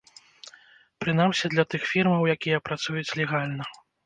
Прынамсі, для тых фірмаў, якія працуюць легальна.